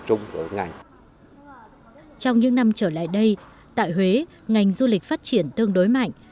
trong những năm trở lại đây tại huế ngành du lịch phát triển tương đối mạnh